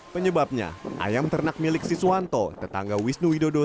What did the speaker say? penyebabnya ayam ternak milik siswanto tetangga wisnu widodo